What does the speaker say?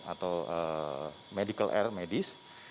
atau medical air medis